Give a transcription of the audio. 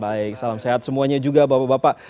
baik salam sehat semuanya juga bapak bapak